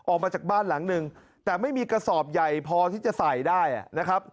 ออกมาจากบ้านหลังหนึ่งแต่ไม่มีกระสอบใหญ่พอที่จะใส่ได้นะครับ